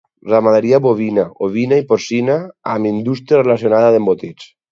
Ramaderia bovina, ovina i porcina amb indústria relacionada d'embotits.